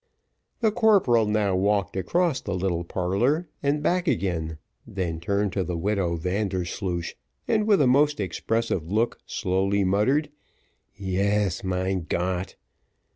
The corporal now walked across the little parlour and back again, then turned to the widow Vandersloosh, and with a most expressive look slowly muttered, "Yes, mein Gott!"